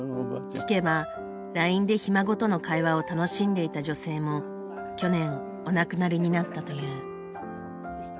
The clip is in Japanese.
聞けばＬＩＮＥでひ孫との会話を楽しんでいた女性も去年お亡くなりになったという。